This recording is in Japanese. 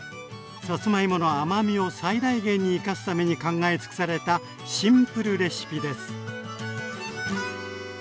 さつまいもの甘みを最大限に生かすために考え尽くされたシンプルレシピです。